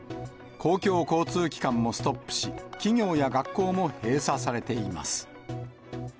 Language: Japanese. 公共交通機関もストップし、企業や学校も閉鎖されています。